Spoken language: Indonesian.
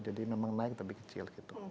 jadi memang naik tapi kecil gitu